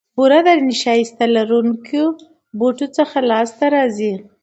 بوره د نیشاسته لرونکو بوټو څخه لاسته راځي.